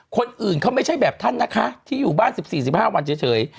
คนอื่นเขาไม่ใช่แบบท่านนะคะที่อยู่บ้าน๑๔๑๕วันเฉย